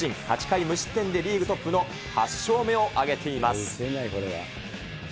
８回無失点でリーグトップの８勝目を挙げています。